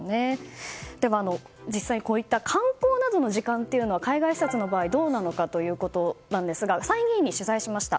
では、実際にこうした観光などの時間は海外視察の場合どうなのかということですが参議院に取材しました。